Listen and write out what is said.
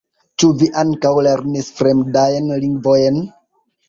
Ĉu vi ankaŭ lernis fremdajn lingvojn?